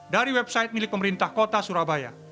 dari website milik pemerintah kota surabaya